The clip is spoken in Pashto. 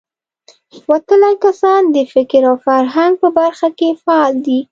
وتلي کسان د فکر او فرهنګ په برخه کې فعال دي.